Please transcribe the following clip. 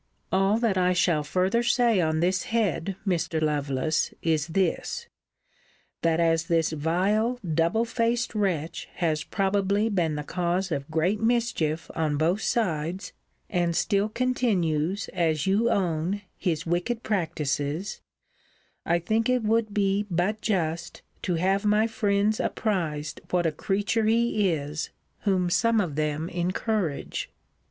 All that I shall further say on this head, Mr. Lovelace, is this: that as this vile double faced wretch has probably been the cause of great mischief on both sides, and still continues, as you own, his wicked practices, I think it would be but just, to have my friends apprized what a creature he is whom some of them encourage.